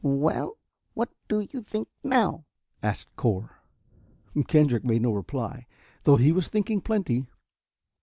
"Well, what do you think now?" asked Cor. Kendrick made no reply, though he was thinking plenty.